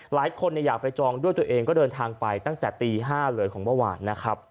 หลายคนอยากไปจองด้วยตัวเองก็เดินทางไปตั้งแต่ตี๕เลยของเมื่อวานนะครับ